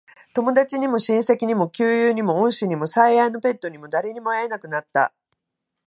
友達にも、親戚にも、旧友にも、恩師にも、最愛のペットにも、誰にも会えなくなった。